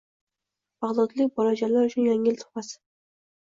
Bag‘dodlik bolajonlar uchun yangi yil tuhfasi